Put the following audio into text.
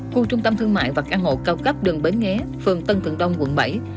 khu trung tâm thương mại và căn hộ cao cấp đường bến nghé phường tân thượng đông quận bảy